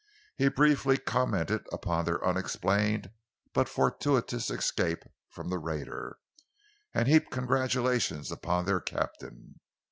He briefly commented upon their unexplained but fortuitous escape from the raider, and heaped congratulations upon their captain.